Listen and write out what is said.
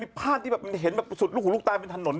มีภาพที่เห็นแบบสุดลูกของลูกตายเป็นถนน